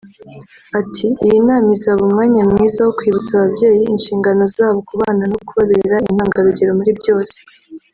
Ati“Iyi nama izaba umwanya mwiza wo kwibutsa ababyeyi inshingano zabo ku bana no kubabera intangarugero muri byose